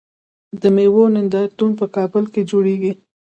د میوو نندارتونونه په کابل کې جوړیږي.